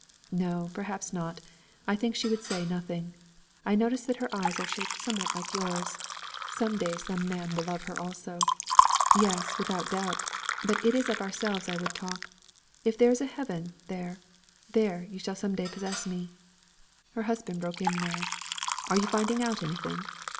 'No, perhaps not. I think she would say nothing. I notice that her eyes are shaped somewhat like yours. Some day some man will love her also.' 'Yes, without doubt. But it is of ourselves I would talk. If there is a heaven, there, there, you shall some day possess me!' Her husband broke in now: 'Are you finding out anything?'